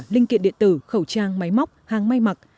linh kiện điện tử khẩu trang máy móc hàng may mặc